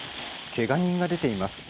けが人が出ています。